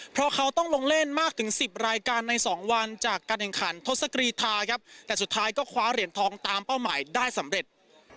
เพราะเขาต้องลงเล่นมากถึง๑๐รายการในสองวันจากการแข่งขันทศกรีธาครับแต่สุดท้ายก็คว้าเหรียญทองตามเป้าหมายได้สำเร็จ